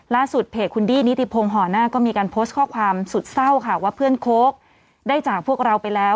ล่าสุดเพจคุณดี้นิติพงศ์ห่อหน้าก็มีการโพสต์ข้อความสุดเศร้าค่ะว่าเพื่อนโค้กได้จากพวกเราไปแล้ว